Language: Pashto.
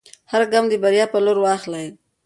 هر ګام د بریا په لور واخلئ.